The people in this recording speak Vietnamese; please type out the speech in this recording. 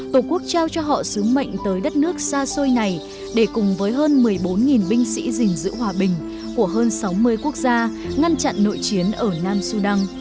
tổ quốc trao cho họ sứ mệnh tới đất nước xa xôi này để cùng với hơn một mươi bốn binh sĩ gìn giữ hòa bình của hơn sáu mươi quốc gia ngăn chặn nội chiến ở nam sudan